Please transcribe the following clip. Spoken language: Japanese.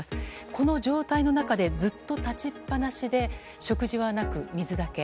この状態の中でずっと立ちっぱなしで食事はなく、水だけ。